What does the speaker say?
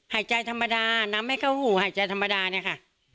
หายใจธรรมดาน้ำไม่เข้าหูหายใจธรรมดาเนี่ยค่ะ